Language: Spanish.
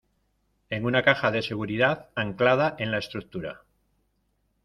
en una caja de seguridad anclada en la estructura.